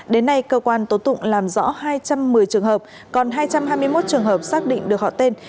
đến nay cơ quan tố tụng làm rõ hai trăm một mươi trường hợp còn hai trăm hai mươi một trường hợp xác định được họ tên